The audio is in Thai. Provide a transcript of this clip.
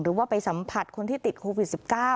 หรือว่าไปสัมผัสคนที่ติดโควิด๑๙